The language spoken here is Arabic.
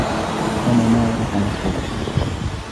ونمارق مصفوفة